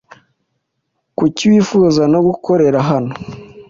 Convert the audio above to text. Kuki wifuza no gukorera hano?